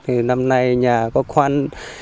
thì năm nay nhà có khoăn